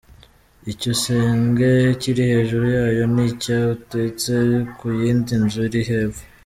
Icyo gisenge kiri hejuru yayo ni icyaututse ku yindi nzu iri hepfo.